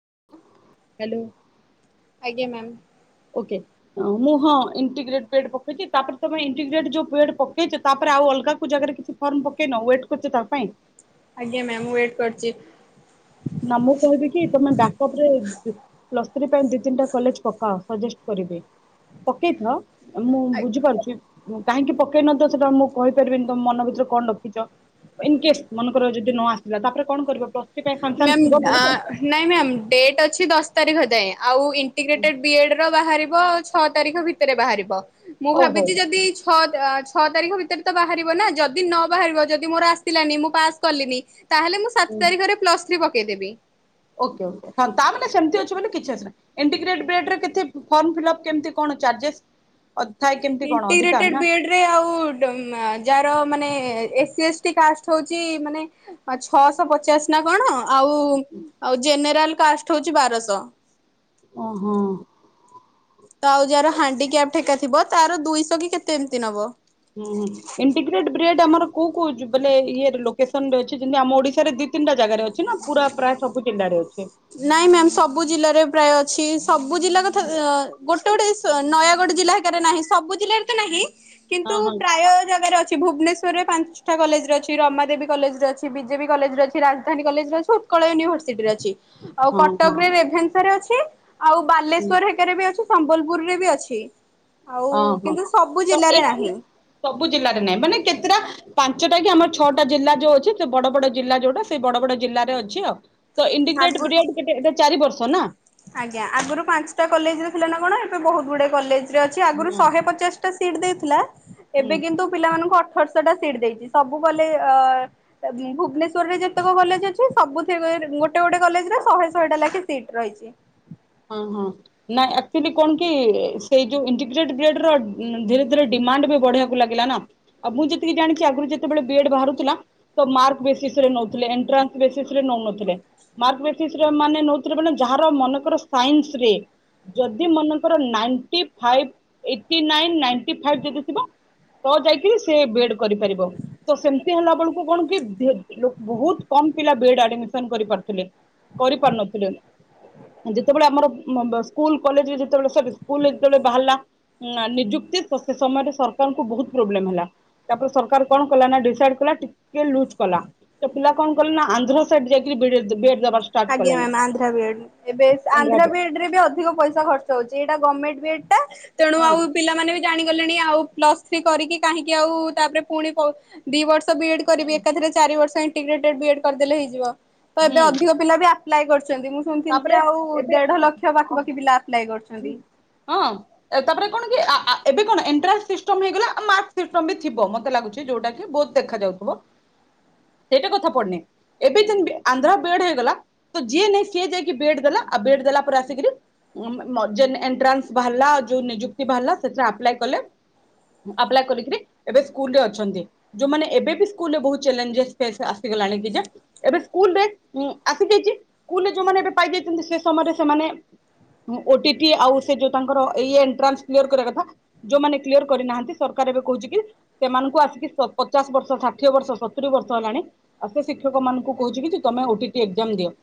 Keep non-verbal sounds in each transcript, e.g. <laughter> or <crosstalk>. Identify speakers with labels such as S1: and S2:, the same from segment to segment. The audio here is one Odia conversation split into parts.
S1: <unintelligible>
S2: ହ୍ୟାଲୋ।
S1: ଆଜ୍ଞା ମ୍ୟାମ୍।
S2: ଓକେ ଓଁ ମୁଁ ହଁପରେ ତମେଇପରେ ଆଉ ଅଲଗା କାଗ କିଛି ଫର୍ମ ପକେଇନ ୱେଟ୍ କର୍ ତ ତା ପାଇଁ।
S1: ଆଜ୍ଞା ମ୍ୟା ମୁଁ ୱେଟ କର୍ ଚି।
S2: ନା ମୁଁ କହିବି କି ତମେ ବ୍ୟାକଅପ ରେ ପ୍ଲସ୍ ଥ୍ରି ପାଇଁ ଦି ତିନିଟା କଲେଜ ପକାଅ ସଜେଷ୍ଟ କରିବେ ପକେଇଥାଅ। ମୁଁ ବୁଝିପାରୁଛି। କାହିଁକି ପକେଇ ନତ ସେଇଟା ମୁଁ କହିପାରିବିନି ତମ ମନ ଭିତରେ କଣ ରଖିଛ ଇନ କେସ୍ ମନଙ୍କର ଯଦି ନ ଆସିଲା ତାପରେ କଣିବ ପ୍ଲସ୍ ଥ୍ରି ପାଇଁ ସାଙ୍ଗେ
S1: ମ
S2: ସାଙ୍ଗେ ଥିବ ମିଳିବ
S1: ନାଇଁ ମ୍ୟା ଡେଟ୍ ଅଛି ଦଶ୍ ତାରିଖ ଯାଏଁ ଆଉ ଇଣ୍ଟିଗ୍ରେଟେଡ୍ ବିଏଡ଼୍ ର ବାହାରିବ ଛଅ ତାରିଖ ଭିତରେ ବାହାରିବ। ମୁଁ ଭାବିଛି ଯଦି
S2: ଓହୋ
S1: ଛଅ ତ ଆଚ ଛଅ ତାରିଖ ଭିତରେ ତ ବାହାରିବ ନା ଯଦି ନ ବାହାରିବ ଯଦି ମୋର ଆସିଲାନି ମୁଁ ପାସ କଲିନି ତାହେଲେ ମୁଁ ସାତ ତାରିରେ ପ୍ଲସ ପକେଇଦେବି।
S2: ଓକେ ଓକେ ହଁ ତା ମାନେ ସେମିତି ଅଛି। ଏପଟରେ କିଛି ଆସେନା ଏମିତି ଗ୍ରେଡବ୍ରେଡ ରେ କେତେ ଫର୍ମ ଫିଲ୍ଅପ କେମିତି କଣ ଚାର୍ଜେସ?
S1: ଇଣ୍ଟି ଗ୍ରେଟେଡ଼ ବି ଏଡ଼ ରେ ଆଉ ମ ଯାହାର ମାନେ ଏ ଏସି ଏଷ୍ଟି କାଷ୍ଟ ହଉଛି ମାନେ ଛଅଶହ ପଚାଶ ନା କଣ? ଆଉ ଆଉ ଜେନେରାଲ କାଷ୍ଟ ହଉଛି ବାରଶହ।
S2: ଓହୋ।
S1: ତ ଆଉ ଯାହାର ହାଣ୍ଡିକ୍ୟାପ୍ ହେକା ଥିବ ତାର ଦୁଇଶହ କି କେତେ ଏମିତି ନେବ।
S2: ହୁଁ ହୁଁ ଇଣ୍ଟିଗ୍ରେଟ ବ୍ରି ଏଡ଼ ଆମର କୋଉ କୋଉ ବଲେ ମ ଇଏ ଲୋକେସନ ରେ ଅଛି ଯେମିତି ଆମ ଓଡିଶା ରେ ଦିଟା ଅଛି।
S1: ନାଇଁ ମ୍ୟାାମ ସବୁ ଜିଲ୍ଲାରେ ପ୍ରାୟ ଅଛି। ସବୁ ଜିଲ୍ଲା କଥା ଏଁ ଗୋଟେ ଗୋଟେ ଗୋଟେ ଉଁ ସ ନୟାଗଡ଼ ଜିଲ୍ଲାରେ ନାହିଁ ସବୁ ଜିଲ୍ଲାରେ ନାହିଁ
S2: ହଁ
S1: କିନ୍ତୁ
S2: ହଁ
S1: ପ୍ରାୟ ଜାଗାରେ ଅଛି। ଭୁବନେଶ୍ୱରରେ ପାଞ୍ଚଟା କଲେଜର ଅଛି ରମାଦେବୀ କଲେଜର ଅଛି ବିଜେପି କଲେଜର ଅଛି ରାଜ ଧାନୀ କଲେଜରେ ଅଛି ଉତ୍କଳ ୟୁନିଭର୍ସିଟିରେ ଅଛି। ଆଉ
S2: ହଁ ହଁ
S1: କଟକ ରେ ରେଭେନ୍ସାରେ ଅଛି। କି ଆଉ
S2: ହୁଁ
S1: ବାଲେଶ୍ଵର ହେରକାରେ ବି ଅଛି। ସମ୍ବଲପୁରରେ ବି ଅଛି। ଆଉ
S2: ଓହୋ
S1: କିନ୍ତୁ ସବୁ
S2: ତ
S1: ଜିଲ୍ଲାରେ
S2: ଏଇ ଯୋଉୁ
S1: ନାହିଁ
S2: ସବୁ ଜିଲ୍ଲାରେ ନାହିଁ ମାନେ କେତେଟା ପାଞ୍ଚଟା କି ଆମର ଛଅଟା ଜିଲ୍ଲା ଯୋଉ ଅଛି ସେ ବଡ ବଡ ଜିଲ୍ଲା ଯୋଉଟା ସେଇ ବଡ ବଡ ଜିଲ୍ଲରେ ଅଛି ଆଉ। ତ ଇଣ୍ଡିଗ୍ରେଟ ବ୍ରି
S1: ଆଗରୁ
S2: ଏଡ଼ କେତେ <unintelligible> ଚାରି ବର୍ଷ ନା।
S1: ଆଜ୍ଞା ଆଗରୁ ପାଞ୍ଚଟା କଲେଜ ରେ ଥିଲା ନା କଣ ଏବେ ବହୁତ ଗୁଡେ କଲେଜ ଅଛି ଆଗରୁ
S2: ହୁଁ
S1: ଶହେ ପଚାଶଟା ସିଟ ଦେଇଥିଲା
S2: ହୁଁ
S1: ଏବେ କିନ୍ତୁ ପିଲା ମାନଙ୍କୁ ଅ ଅଠରଶହଟା ସିଟ୍ ଦେଇଛି ସବୁ କଲେ ଅ ଭୁବନେଶ୍ୱରରେ ଯେତେକ କଲେଜ ଅଛି ସବୁଥି ଗୋଟେ ଗୋଟେ କଲେଜରେ ଶହେ ଶହେଟା ଲାଖେ ସିଟ୍ ରହିଛି।
S2: ହଁ ହଁ ନାଁ ଆକଚୁଆଲି କଣ କି ସେଇ ଯୋଉ ଇଣ୍ଟିଗ୍ରେଟ ବି ଏଡ଼ ର ଧୀରେ ଧୀରେ ଡିମାଣ୍ଡ ବି ବଢିବାକୁ ଲାଗିଲା ନା ଆଉ ମୁଁ ଯେତିକି ଜାଣିଛି ଆଗରୁ ଯେତେବେଳେ ବିଏଡ ବାହାରୁଥିଲା ତ ମାର୍କ ବେସିସ ରେ ନଉଥିଲେ ଏଣ୍ଟ୍ରାନ୍ସ ବେସିସରେ ନଉନଥିଲେ ମାର୍କ ବେସିସ ମାନେ ନଉଥିଲେ ମାନେ ଯାହାର ମନେକର ସାଇନ୍ସରେ ଯଦି ମନେଙ୍କର ନାଇଣ୍ଟି ଫାଇ ଏଟି ନାଇ ନାଇ ଫ ଯଦି ଥିବ ତ ଯାଇକିରି ସେ ବିଏଡ୍ କରିପାରିବ ତ ସେମତି ହେଲା ବେଳକୁ କଣ କି ବହୁତ କମ ପିଲା ବି ଏଡ ଆଡମିସନ କରିପାରୁଥିଲେ କରିପାରୁନଥିଲେ। ଯେତେବେଳେ ଆମର ସ୍କୁଲ କଲେଜରେ ଯେତେବେଳେ ସରି ସ୍କୁଲ ଯେତେବେଳେ ବାହାରିଲା ନିଯୁକ୍ତି ସେ ସମୟରେ ସରକାରଙ୍କୁ ବହୁତ ପ୍ରୋବ୍ଲେମ ହେଲା ତାପରେ ସରକାର କଣ କଲା ନା ଡିସାଇଡ କଲା ଟିକେ ଲୁଜ କଲା ତ ପିଲା କଣ କଲେ ନା ଆନ୍ଧ୍ର ସାଇଡ ଯାଇକ ବିଇଡ ବି ଏଡ୍
S1: ଆଜ୍ଞା ମ୍ୟାମ୍ ଆନ୍ଧ୍ର ବି ଏଡ୍ ଏବେ ଆନ୍ଧ୍ରା ବି ଏଡ୍
S2: ହଁ
S1: ରେ ବି ଅଧିକ ପଇସା ଖର୍ଚ୍ଚ ହଉଛି। ଏଟା ଗର୍ମେଣ୍ଟ ବି ଏଡ୍ ତେଣୁ ଆଉ ପିଲାମାନେ ବି ଜାଣିଗଲେଣି ଆଉ ପ୍ଲସ୍ ଥ୍ରୀ କରିକି କାହିଁକି ଆଉ ତାପରେ ପୁଣି ଦି ବର୍ଷ ବି ଏଡ କରିବି ଏକାଥରେ ଚାରିବର୍ଷ ବି ଏଡ୍ କରିଦେଲେ ହେଇଯିବ। ତ ଏବେ
S2: ହୁଁ।
S1: ଅଧିକ ପିଲା ବି ଆପ୍ଲାଏ କରୁଛନ୍ତି। ମୁଁ ଶୁଣିଥିଲି ଯେ
S2: ତାପରେ
S1: ଆଉ
S2: ଏବେ
S1: ଦେଢ ଲକ୍ଷ ପାଖପାଖି ପିଲା ଆପ୍ଲାଏ କରୁଛନ୍ତି।
S2: ହଁ ତାପରେ କଣ କି ଏବେ କଣ ଏଟ୍ରାନ୍ସ ସିଷ୍ଟମ୍ ହେଇଗଲା ଆଉ ମାର୍କ ସିଷ୍ଟମ ବି ଥିବ ମତେ ଲାଗୁଛି ଯୋଉଟା କି ବହୁତ ଦେଖା ଯାଉଥିବ ସେଇଟା କଥା ପଡିନି ଏବେ ଯେ ଆନ୍ଧ୍ରା ବି ଏଡ ହେଇଗଲା ତ ଯିଏ ନାଇ ସିଏ ଯାଇକି ଦେଲା ଆଉ ଦେଲା ପରେ ଆସକିରି ଏଣ୍ଟ୍ରାନ୍ସ ବାହାରିଲା ଯଉ ନିଯୁକ୍ତି ବାହାରିଲା ସେଥିରେ ଆପ୍ଲାଏ କଲେ ଆପ୍ଲାଏ କରିକିରି ଏବେ ସ୍କୁଲ ରେ ଅଛନ୍ତି ଯୋଉମାନେ ଏବେ ବି ସ୍କୁଲ ରେ ବହୁତ୍ ଚାଲେଞ୍ଜସ ଫେସ୍ ଆସିଗଲାଣି ଏବେ ସ୍କୁଲ୍ ରେ ସ୍କୁଲରେ ଯୋଉମାନେ ଏବେ ପାଇଯାଇଛନ୍ତି ସେ ସମୟରେ ସେମାନେ ଓଟି ଟି ଆଉ ସେ ଯଉ ତାଙ୍କର ଏଇ ଏଣ୍ଟ୍ରାନ୍ସ କ୍ଲିଅର କରିବା କଥା ଯୋଉମାନେ କ୍ଲିଅର କରିନାହାନ୍ତି ସରକାର ଏବେ କହୁଛି କି ସେମାନଙ୍କୁ ଆସିକି ପଚାଶ ବର୍ଷ ଷାଠିଏ ବର୍ଷ ସତୁରି ବର୍ଷ ହେଲାଣି ଆଉ ସେ ଶିକ୍ଷକ ମାନଙ୍କୁ କହୁଛି କି ତମେ ଓଟିଟି ଏକ୍ଜାମ୍ ଦିଅ।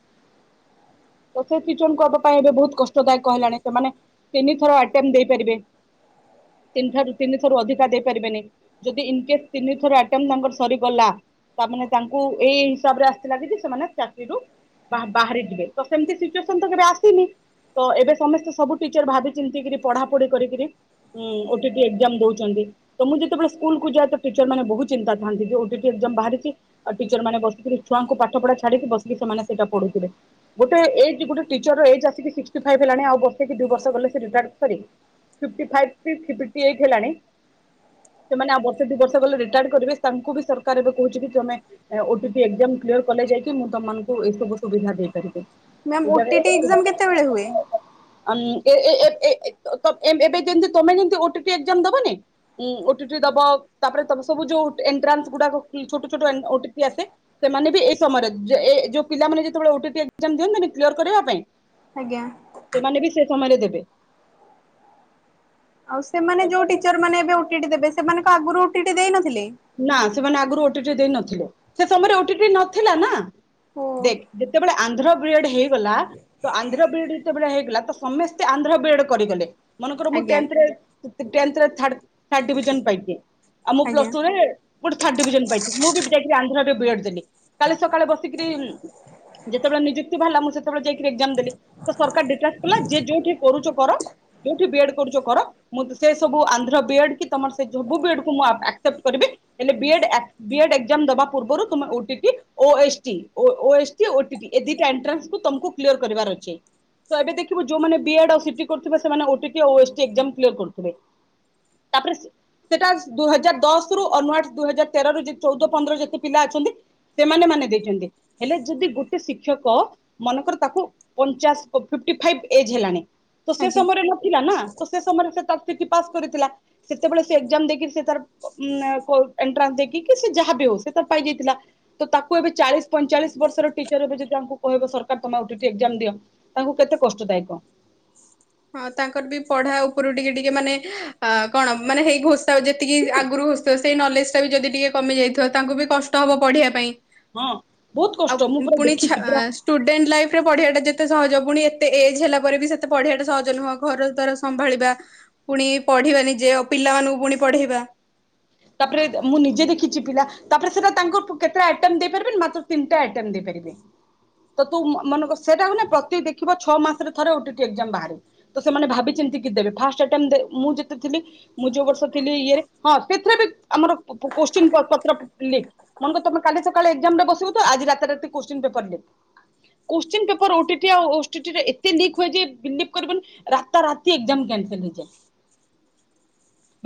S2: ତ ସେ ଟିଚର୍ କବା ପାଇଁ ଏବେ ବହୁତ କଷ୍ଟ ଦାୟକ ହେଲାଣି ସେମାନେ ତିନିଥର ଆଟେମ ଦେଇପାରିବେ ତିନି ଥର ତିନି ଥରରୁ ଅଧିକା ଦେଇପାରିବେନି ଯଦି ଇନକେସ୍ ତିନି ଥର ଆଟମ୍ ନମ୍ୱର୍ ସରିଗଲା ତାମାନେ ତାଙ୍କୁ ଏଇ ହିସାବ ରେ ଆସିଥିଲା କି ସେମାନେ ଚାକିରିରୁ ବାହାର ବାହାରିଜିବେ ତ ସେମିତି ସିଚୁଏସନ୍ ତ କେବେ ଆସିନି ତ ଏବେ ସମସ୍ତେ ସବୁ ଟିଚର ଭାବି ଚିନ୍ତିକିରି ପଢ଼ାପଢ଼ି କରିକି ଓଟିଟି ଏକ୍ଜାମ ଦେଉଛନ୍ତି ତ ମୁଁ ଯେତେବେଳେ ସ୍କୁଲକୁ ଯାଏ ତ ଟିଚର ମାନେ ବହୁତ ଚିନ୍ତା ଥାଆନ୍ତି ଯେ ଓଟିଟି ଏକ୍ଜାମ ବାହାରିଛି ଆଉ ଟିଚର ମାନେ ବସିକିରି ଛୁଆଙ୍କୁ ପାଠପଢ଼ା ଛାଡ଼ିକି ବସିିକି ସେମାନେ ସେଇଟାପଢ଼ୁଥିବେ। ଗୋଟେ ଏଜ ଗୋଟେ ଟିଚର ଏଜ ଆସିକି ସିକ୍କଟି ଫାଇଭ ହେଲାଣି ଆଉ ବର୍ଷେ କି ଦି ବର୍ଷ ଗଲେ ସେ ରିଟାୟାର୍ କରିବେ ଫିଫ୍ଟି ଫାଇବ କି ଫିଫ୍ଟି ଏଇଟ ହେଲାଣି ଏମାନେ ଆଉ ବର୍ଷେ ଗଲେ ରିଟାଏଡ୍ କରିବେ ତାଙ୍କୁ ବି ସରକାର ଏବେ କହୁଛି କି ତମେ ଓଟିଟି ଏକ୍ସାମ୍ କ୍ଲିୟର କଲେ ଯାଇକି ମୁଁ ତମମାନଙ୍କୁ ଏ ସବୁ ସୁବିଧା ଦେବି। କରିକ
S1: ମାମ ଓଟିଟି ଏକ୍ସାମ କେତେବେଳେ ହୁଏ?
S2: ଏବେ ଯେମିତି ତମେ ଯେମିତି ଓଟି ଟି ଏକ୍ଜାମ ଦବନି ଓଟି ଟି ଦବ ତାପରେ ସବୁ ଯୋଉ ଏଣ୍ଟ୍ରାନ୍ସ ଗୁଡାକ ଛୋଟ ଛୋଟ ଓଟିଟି ଆସେ ସେମାନେ ବି ଏଇ ସମୟରେ ଯୋଉ ପିଲାମାନେ ଯେତେବେଳେ ଓଟି ଟି ଦିଅନ୍ତୀନି କ୍ଲିୟର କରିବା ପାଇଁ।
S1: ଆଜ୍ଞା।
S2: ସେମାନେ ବି ସେ ସମୟରେ ଦେବେ।
S1: ଆଉ ସେମାନେ ଯୋଉ ଟିଚର ମାନେ ଏବେ ଓଟିଟି ଦେବେ ସେମାନଙ୍କ ଆଗରୁ ଦେଇ ନଥିଲେ
S2: ନା ସେମାନେ ଆଗରୁ ଦେଇ ନଥିଲେ ସେ ସମୟରେ ଓଟିଟି ନଥିଲା ନା
S1: ଓ
S2: ଦେଖ ଯେତେବେଳେ ଆନ୍ଧ୍ର ବି ଏଡ ହେଇଗଲା ତ ଆନ୍ଧ୍ର ବି ଏଡ ଯେତେବେଳେ ହେଇଗଲା ତ ସମସ୍ତେ ଆନ୍ଧ୍ର ବିଡ କରିଗଲେ। ମନେ କର ମୁ
S1: ଆଜ୍ଞା
S2: ତେନ୍ଥ ରେ ଟେନ୍ଥର ଥାର ଥର୍ଡ ଡିଭିଜନ ପାଇକି
S1: ଆଜ୍ଞା।
S2: ରେ ମୁଁ ବି ଥାର୍ଡ ଡ଼ିଭିଜନ ପାଇଥିଲି ମୁଁ ବି ଯକ ଆନ୍ଧ୍ରରେ ବି ଏଡ୍ ଦେଲି କାଲି ସକାଳେ ବସିିକିରି ଯେତେବେଳେ ନିଯୁକ୍ତି ବାହାରିଲା ମୁଁ ସେତେବେଳେ ଯାଇକିରି ଏକ୍ଜାମ୍ ଦେଲି ସରକାର ଡିକ୍ଲାର କଲା ଯେ ଯୋଉଠି କରୁଛ କର ଯୋଉଠି ବି ଏଡ୍ କରୁଛ କର ମୁଁ ସେ ସବୁ ଆନ୍ଧ୍ର ବି ଏଡ୍ କି ସବୁ ହେଲେ ବି ଏଡ୍ ଏକଜାମ୍ ଦବା ପୂର୍ବରୁ ତୁମେ ଓ ଟି ଟି ଓ ଏସ ଟି ଏ ଦିଟା ଏଣ୍ଟ୍ରାନ୍ସକୁ ତମକୁ କ୍ଲିଅର କରିବାର ଅଛି ତ ଏବେ ଦେଖିବୁ ଯୋଉମାନେ ବି ଏଡ୍ କି ସି ଟି କରୁଥିବେ ସେମାନେ ଓ ଟି ପି ଆଉ ଏସ ଟି ଏକଜାମ କ୍ଲିଅର କରୁଥିବେ ତାପରେ ସେଟା ଦୁଇଁ ହଜାର ଦଶ ରୁ ଅନ ୱାର୍ଡ ଦୁଇ ହଜାର ତେର ରୁ ଚଉଦ ପନ୍ଦର ଯେତେ ପିଲା ଅଛନ୍ତି ସେମାନେ ମାନେ ଦେଇଛନ୍ତି ହେଲେ ଯଦି ଗୋଟେ ଶିକ୍ଷକ ମନେକର ତାକୁ ପଚାଶ ଫିପଟି ଫାଇଭ ଏଜ ହେଲାଣି। ତ ସେ
S1: ଆଜ୍ଞା।
S2: ସମୟରେ ନଥିଲା ନା ତ ସେ ସମୟରେ ସେ ପାସ୍ କରିଥିଲା ସେତେବେଳେ ସେ ଏଜାମ ଦେଇକି ସେ ତ ଏଟ୍ରାସଂ ଦେଇକି ଯାହାବ ହଉ ପାଇଯାଇଥିଲା ତ ତାକୁ ଏ ଚାଳିଶ ପଇଁଚାଳିଶ ବର୍ଷର ଟିଚର ଏ ଯଦି ତାଙ୍କୁ କହିବ ସରମ ଦିଅ ତାଙ୍କୁ କେତେ କଷ୍ଟଦାୟକ।
S1: ହଁ ତାଙ୍କର ବି ପଢା ଉପରୁ ଟିକେ ଟିକେ ମାନେ ଅ କଣ ମାନେ ହେଇ ଘୋଷ ଯେତିକି ଆଗରୁ ହଉ ସେଇ ନଲେଜ ଟା ବି ଯଦି ଟିକେ କମିାଇଥିବ ତାଙ୍କୁ ବି କଷ୍ଟ ହବ ପଢିବା ପାଇଁ
S2: ହଁ ବହୁତ
S1: ଆଉ
S2: କଷ୍ଟ ମୁଁ ପୁରା
S1: ପୁଣି
S2: ଦେଖିଛି ପୁରା
S1: ଷ୍ଟୁଡେଣ୍ଟ ଲାଇଫ ରେ ପଢିବାଟା ଯେତେ ଏତେ ସହଜ ପୁଣି ଏତେ ଏଜ୍ ହେଲା ପରେ ବି ସେତେ ପଢି ଆଟ ସହଜ ନୁହଁ ଘର ଦ୍ଵାରା ସମ୍ଭାଳିବା ପୁଣି ପଢିବା ନିଜେ ପିଲାମାନଙ୍କୁ ପୁଣି ପଢେଇବା
S2: ତାପରେ ମୁଁ ନିଜେ ଦେଖିଛି ପିଲା ତାପରେ ସେଟା ତାଙ୍କୁର କେତେ ଆଟମ୍ଟ ଦେଇପାରିବିନନି ମାତ୍ର ତିନିଟାଟମ୍ଟ ଦେଇପାରିବେ ତ ତୁ ମେକ ସେଟା ହ ପ୍ରତି ଦେଖିବ ଛଅ ମାସରେ ଥରେଟି ଏ ବାହ ତ ସେମାନେ ଭାବିମତି କି ଦେବେ ଫାଷ୍ଟଟ ମୁଁ ଯେତେ ଥିଲି ମୁଁ ଯୋଉ ବର୍ଷ ଥିଲି ଇଏରେ ହଁ ସେଥିରେ ବି ଆମର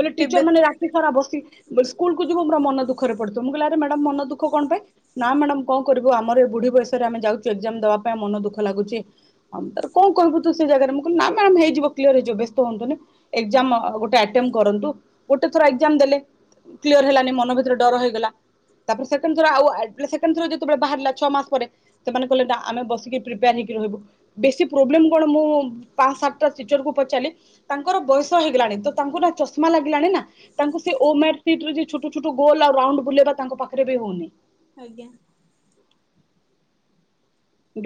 S2: ବୋଲେ ଟିଚର
S1: ଏବେ
S2: ମାନେ ସ୍କୁଲକୁ ଯିବୁ ମୋର ମନ ଦୁଖରେ ପଡିବ ମୁଁ କହିଲି ଆରେ ମ ମନ ଦୁଃ କଣ ପାଇଁ ମ୍ୟାଡମ କଣ କରିବୁ ଆମର ଏ ବୁଢୀ ବୟସରେ ଆମେ ଯାଉଛୁଏକ୍ଜାମ ଦବା ପାଇଁ ମନ ଦୁଖ ଲାଗୁଛି ଆମ କଣ କିବୁ ତୁ ସେ ଜାଗ କହିଲ ନା ମ ହେଇଯିବ ହେଇଯିବ ବ୍ୟସ୍ତ ହୁନ୍ତୁଟ କରୁ। ଗୋଟ ଥରଏଗଜାମ ଦେଲେ କ୍ଳିଅର ହେଲାନି ମନ ଭିତରେ ଡର ହେଇଗଲା ତାପରେ ସେଣ୍ଡ ଥର ଆଉ ଥର ଯେତେବେଳେ ବାହାରିଲା ଛଅ ମାସ ପରେ ସେମାନେ କହିଲେ ନା ଆମେ ବସିକି ପ୍ରିପେୟାର ହେଇକି ରହିବୁ ବେଶୀ ପ୍ରୋବ୍ଲେମ କଣ ମୁଁ ପାଞ୍ଚ ସାତଟା ଟିଚରକୁ ପଚାରି ତାଙ୍କର ବୟସ ହେଇଗଲାଣି ତ ତାଙ୍କୁ ନା ଚମା ଲାଗିଲାଣି ନା ତାଙ୍କୁ ସେ ଓ ମାର୍କ ସିଟର ଛୋଟ ଛୋଟ ଗୋଲ ଆଉ ରାଉଣ୍ଡ ବୁଲେଇବା ତାଙ୍କ ପାଖରେ ବି ହଉନି
S1: ଆଜ୍ଞା <inaudible>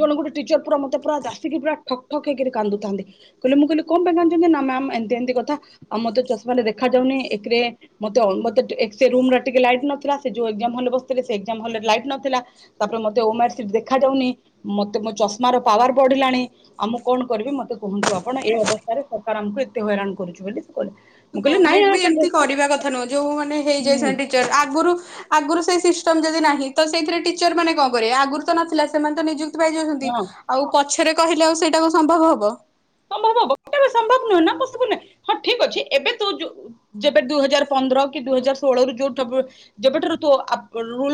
S2: ଜଣେ ଗୋଟେଟିଚର ପୁରା ମତେ ପୁରା ଆସିକି ପୁରା ଠକ୍ ଠକ ହେଇକିରି କାନ୍ଦୁଥାନ୍ତି କହିଲେ ମୁଁ କହିଲି କଣ ପାଇଁ କାନ୍ଦୁଛନ୍ତି ମାମ ଏମତି ଏମତି କଥା ଟିକେ ଆଉମତେ ଚଷମାରେ ଦେଖା ଯାଉନି ଏଥିରେ ମତେ ଏକ୍ସ ରୁମରେ ଟିକେ ଲାଇଟ ନଥିଲା ସେଜଉ ଏଗଜାମ ରୁମରେ ବସିଥିଲେ ସେ ଏଗଜାମ ରୁମରେ ଲାଇଟ ନଥିଲା ତାପରେେ ମୋତେ ହୋମ ୱାର୍କ ସିଟ ଦେଖା ଦେଖାଯାଉନି ମତେ ମୋ ଚଷମାର ପାୱାର ବଢିଲାଣି ଆଉ ମୁଁ କଣ କରିବି ମତେ କୁହନ୍ତୁ ଆପଣ ଏ ଅବସ୍ଥାରେ ସରକାର ଆମକୁ ଏତେ ହଇରାଣ କରୁଛିୁ ବୋଲି। ସେ କହିଲେ। ମୁଁ କହିଲି ନାଇଁ
S1: ଗଭର୍ଣ୍ଣମେଣ୍ଟ ବି ଏମିତି
S2: ଆ
S1: କରିବା କଥା ନୁହଁ ଯୋଉ ମାନେ
S2: ହୁଁ
S1: ହେଇଯାଇ ଟିଚର ଆଗରୁ ଆଗରୁ ସେ ଯଦି ନାହିଁ ତ ସେଇଥିରେ ଟିଚର ମାନେ କଣ କରିବେ ଆଗରୁ ତ ନଥିଲା ସେମାନେ ତ ନିଯୁକ୍ତି ପାଇ ଯାଉଛନ୍ତି
S2: ହଁ
S1: ଆଉ ପଛରେ କହିଲେ ଆଉ ସେଇଟାକୁ ସମ୍ଭବ ହବ
S2: ସମ୍ବ ନହଁ ହଁ ଠିକ ଅଛି ଏବେ ତୁ ଯେବେ ଦୁଇ ହଜାର ପନ୍ଦର କି ଦୁଇଜାର ଷୋହଳ ରୁୋଉ ଯେବେଠାରୁୁ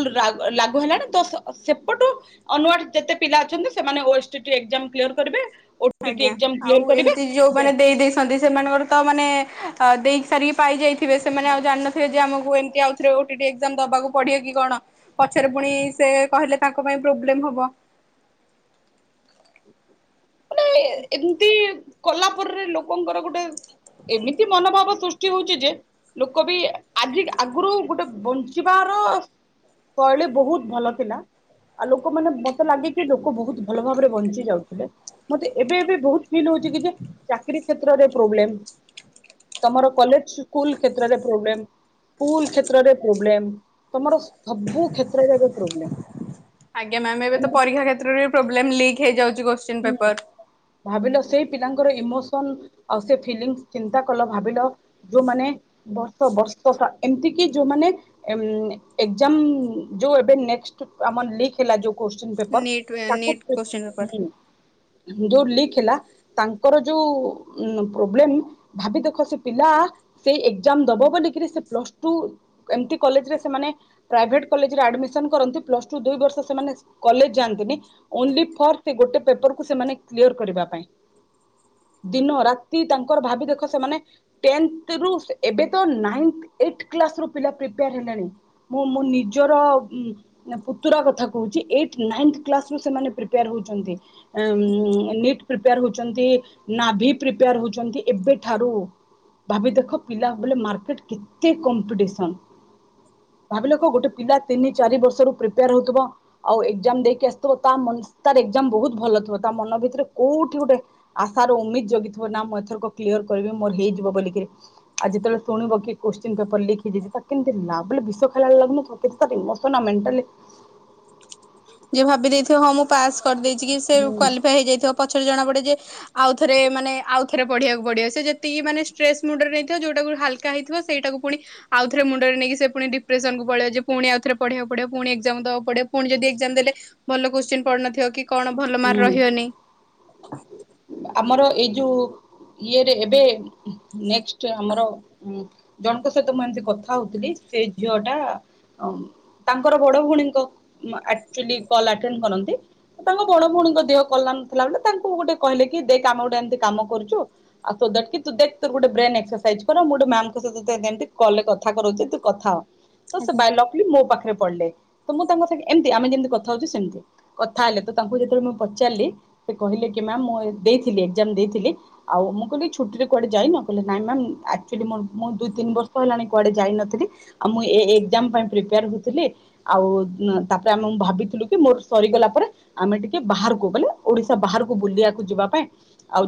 S2: ଲାଗୁ ହେଲାଣି ତ ସେପଠୁ ଅନଆ ଯେତେ ପିଲା ଅଛନ୍ତି ସେମାନେ କରିବେ ଓଟିଟି
S1: ଆଜ୍ଞା
S2: ଏକ୍ଜାମ
S1: ଆଉ
S2: କ୍ଲିୟର କରିବେ
S1: ଏମିତି
S2: ଦେ-
S1: ଯୋଉମାନୋନ ଦେଇ ଦେଇେଇଛନ୍ତି ସେମାନଙ୍କର ତ ମାନେ ି ପାଇାଇିବେ ସେମାନେ ଜାିନଥିବେ ଯେ ଆମକୁଉବାକୁ ପିବ କି କଣ ପଛରେ ପୁଣି ସେ କହିଲେ ତାଙ୍କ ପାଇଁ ପ୍ରୋବ୍ଲେମ ହବ।
S2: ନାଇ ଏମିତି କଲା ପରେରେ ଲୋକଙ୍କର ଗୋଟେ ଏମିତି ମନୋଭାବ ସୃଷ୍ଟି ହଉଛି ଯେ ଲୋକ ବି ଆଜି ଆଗରୁ ଗୋଟେ ବଞ୍ଚିବାର ଶୈଳୀ ବହୁତ ଭଲ ଥିଲା ଆଉ ଲୋକ ମାନେ ମତେ ଲାଗେ କି ଲୋକ ବହୁତ ଭଲ ଭାବରେ ବଞ୍ଚି ଯାଉଥିଲେ। ମତେ ଏବେ ଫିଲ ହଉଛି କି ଚାକିରୀ କ୍ଷେତ୍ରରେ ପ୍ରୋବ୍ଲେମ ତମର କଲେଜ ସ୍କୁଲ କ୍ଷେତ୍ରରେ ପ୍ରୋବ୍ଲେମ ସ୍କୁଲ କ୍ଷେତ୍ରରେ ପ୍ରୋବ୍ଲେମ ତମର ସବୁ କ୍ଷେତ୍ରରେ ପ୍ରୋବ୍ଲେମ
S1: ଆଜ୍ଞା୍ମ୍ୟାମ ଏବେ ତ ପରୀକ୍ଷା କ୍ଷେତ୍ରରେପ୍ରୋବ୍ଲେମ ଲିକ ହେଇ ଯାଉଚି
S2: ହୁଁ ଭାବିଲ ସେଇ ପିଲାଙ୍କର ଇମୋସନ ଆଉ ସେ ଫିଲ ଚିନ୍ତା କଲ ଭାବିଲ ଯୋଉମାନେ ବର୍ଷ ବର୍ଷ ଏମତି କି ଯୋଉମାନେ ଏଜାମ ଯୋଉ ଏବେ ଆମ ଲ ହେ ଯୋଉ କୋଶଚୀନ ନପେପର
S1: ନିଟ୍
S2: ତା ଖ
S1: ନିଟ୍ କୋଶ୍ଚିନ୍ ପେପର।
S2: ଯୋଉ ଲିକ ହେଲା ତାଙ୍କର ଯୋଉ ପ୍ରୋବ୍ଲେ ଭାବି ଦେଖ ସେ ପିଲା ସେଇ ଏକ୍ଜାମ ଦବ ବ ସେ ପ୍ ଟୁ ଏମ କଲେରେ ସେମାନେ ପ୍ରାଇଭେଟ କଲେରେ ଆଡମିସନ କରନ୍ତି ପ୍ଲସ ଟୁ ଦୁଇ ବର୍ଷ ସେମାନେ କଲେଜ ଯାଆନ୍ତିନି ଓନ୍ଲି ଫର୍ ସେ ଗୋଟେ ମାନେ କ୍ କରିବା ପାଇଁ ଦିନ ରାତି ତାଙ୍କର ଭାବି ଦେଖ ସେମାନେ ଏବୋି ହେଣି ମୁଁ ମୋ ନିଜର ପୁତୁରା କଥାମାନେି। ଟ୍ ପ୍ରିପୋର ହଉଛନ୍ତି ନାଭି ପ୍ରିପେୟାର ହଉଛନ୍ତି ଏବେଠାରୁ ଭାବି ଦେଖ ପିଲା ବ ମେଟ କେତେ କମ୍ପିସ ଭାବି ଦେଖ ଗୋଟେ ପିଲା ତିନି ଚାରି ବର୍ଷରୁ ପ୍ରିପେୟାର ହଉଥିବ ଆଉ ଏଜାମ ଦେଇକି ଆସିିବ ତା ବତ ଭଲ। ତା ମନ ଭିତରେ କୋଉଠି ଗୋଟେ ଆଶାର ଉମିଦ ଜଗିଥିବ ନା ମୁଁ ଏଥରକ କ୍ୟର କରିବି ମୋର ହେଇଯିବ ବୋଲିକିରି ଆଉ ଯେତେବେଳେ ଶୁଣିବ କି କୋ୍ଚି ପେପର ଲଖିାଇ ତା କେମତି ନା ବ ବିଶ ଖେଲା ଲାଗୁନଥିବ କିାର ଇ ମେଣ୍ଟା।
S1: ଯିଏ ଭାବି ଦେଇଥିବ ହଁ ମୁଁ ପାସ୍ କରିଦେଇଛି କି ସେ
S2: ହୁଁ
S1: କ୍ୱାଲିଫାଏ ହେଇଯାଇଥିବ ପଛରେ ଜଣା ପଡେ ଯେ ଆଉଥରେ ମାନେ ଆଉଥରେ ପଢେଇିବାକୁ ପଡିବ ସେ ଯେତିକି ମାନେ ଷ୍ଟ୍ରେସ ମୁଣ୍ଡରେ ନେଇଥିବ ଯଉଟାକୁ ହାଲକା ହେଇଥିବ ସେଇଟାକୁ ପୁଣି ଆଉଥରେ ମୁଣ୍ଡରେ ନେଇକି ସେ ପୁଣି ଡିପ୍ରେସନକୁ ପଳିବ ଯେ ପୁଣି ଆଉଥରେ ପଢେଇବାକୁ ପଡିବ ପୁଣି ଏକ୍ସାମ ଦବା ପଡିବ ପୁଣି ଯଦି ଏକ୍ସାମ୍ ଦେଲେ ଭଲ କୋଶ୍ଚିନ ପଢୁନଥିବ କି କଣ ଭଲ ମାର୍କ
S2: ହୁଁ।
S1: ରହିବନି।
S2: ଆମର ଏଇ ଯୋଉ ଇଏରେ ଏବେ ନେକ୍ସଟ୍ ଆମର ହୁଁ। ଜଣଙ୍କ ସହିତ ମୁଁ ଏମତି କଥା ହଉଥିଲି ସେ ଝିଅ ଟା ଆ ତାଙ୍କର ବଡ ଭଉଣୀଙ୍କ ଅକ୍ଚୁଆଲି କଲ୍ ଆଟେଣ୍ଡ କରନ୍ତି ତାଙ୍କ ବଡ ଭଉଣୀଙ୍କ ଦେହ କଲ ନଥିଲା ବଳେ ତାଙ୍କୁ ଗୋଟେ କହିଲେ କି ଦେଖ ଆମେ ଗୋଟେ ଏମତି କାମ କରୁଛୁ ଆଉ ସୋ ଦାଟ କି ଦେଖ ତୋର ଗୋଟେ ବ୍ରେନ ଏକ୍ସସାଇଜ କର ଗୋଟେ ମ୍ୟାମ କଲେ କଥା କରଛି ତୁ କଥା ହ। ତ ସେ ବାଇ ଲକ ଲି ମୋ ପାଖରେ ପଢିଲେ ତ ମୁଁ ତାଙ୍କ ସାଙ୍ଗ ଏମତି ଆମେ ଯେମତି କଥା ହଉଚି ସେମିତି କଥା ହେଲେ ତ ତାଙ୍କୁ ଯେତେବେଳେ ମୁଁ ପଚାରିଲି ସେ କହିଲେ କି ମ୍ୟାମ୍ ମୁଁ ଦେଇଥିଲି ଏକ୍ଜାମ ଦେଇଥିଲି ଆଉ ମୁଁ କହିଲି ଛୁଟିରେ କୁଆଡ଼େ ଯାଇନ କହିଲେ ନାଇଁ ମ୍ୟାମ୍ ଆକ୍ଚୁଆଲି ମୋର ମୁଁ ଦୁଇ ତିନି ବର୍ଷ ହେଲାଣି କୁଆଡେ ଯାଇନଥିଲି ଆଉ ମୁଁ ଏ ଏ ଏକ୍ଜାମ ପାଇଁ ପ୍ରିପେୟାର ହଉଥିଲି ଆଉ ତାପରେ ଆମେ ଭାବିଥିଲୁ କି ମୋର ସରିଗଲା ପରେ ଆମେ ଟିକେ ବାହାରକୁ ଗଲେ ଓଡିଶା ବାହାରକୁ ବୁଲିବାକୁ ଯିବା ପାଇଁ ଆଉ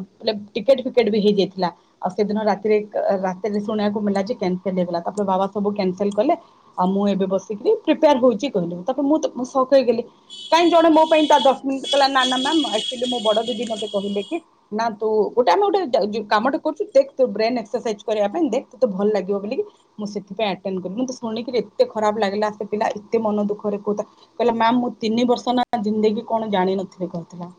S2: ଟିକେଟ ଫିକେଟ ବି ହେଇଯାଇଥିଲା ଆଉ ସେଦିନ ରାତିରେ ରାତିରେ ଶୁଣିବାକୁ ମିଳିଲା ଯେ କାନସଲ ହେଇଗଲା ତାପରେ ବାବା ସବୁ କ୍ୟାନସେଲ କଲେ ଆଉ ମୁଁ ଏବେ ବସିକରି ପ୍ରିପେୟାର ହଉଛି କହିଲି ତାପରେ ମୁଁ ମୁଁ ସକ୍ ହେଇଗଲି କାହିଁ ଜଣେ ମୋ ପାଇଁ ତାର ଦସ ମିନିଟ୍ କହିଲା ନା ନା ମ୍ୟାମ୍ ଆକଚୁଆଲି ମୋ ବଡ଼ ଦିଦି ମୋତେ କହିଲେ କି ନା ତୁ ଗୋଟେ ଆମେ ଗୋଟେ ଯୁ କାମଟେ କରୁଛୁ ଦେଖ ତୋ ବ୍ରେନ ଏକ୍ସସାଇଜ କରିବା ପାଇଁ ଦେଖ ତୋତେ ଭଲ ଲାଗିବ ବୋଲି ମୁଁ ସେଥିପାଇଁଁ ଆଟେଣ୍ଡ କଲି ମୁଁ ତ ଶୁଣିକିରି ଏତେ ଖରାପ ଲାଗିଲା ସେ ପିଲା ଏତେ ମନ ଦୁଃଖରେ କହୁ କହିଲା ମାମ୍ ମୁଁ ତିନି ବର୍ଷ ନା ଜିନ୍ଦଗି କଣ ଜାଣିନଥିଲି କହିଲା।